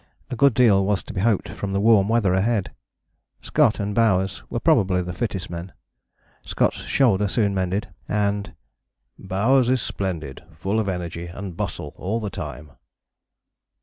A good deal was to be hoped from the warm weather ahead. Scott and Bowers were probably the fittest men. Scott's shoulder soon mended and "Bowers is splendid, full of energy and bustle all the time."